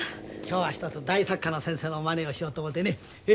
今日はひとつ大作家の先生のまねをしようと思てね